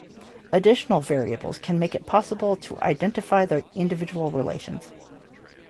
Additional variables can make it possible to identify the individual relations.